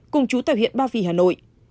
cùng chú tàu huyện ba vì hà nội